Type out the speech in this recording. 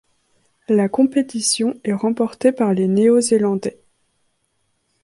La compétition est remportée par les Néo-Zélandais.